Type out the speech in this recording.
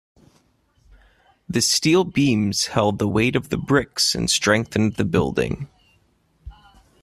The steel beams held the weight of the bricks and strengthened the building.